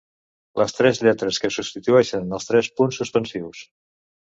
Les tres lletres que substitueixen els tres punts suspensius.